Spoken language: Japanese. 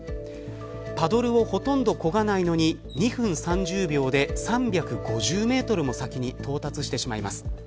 パドルをほとんどこがないのに２分３０秒で３５０メートルも先に到達してしまいます。